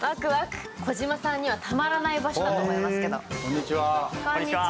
児嶋さんにはたまらない場所だと思いますけど。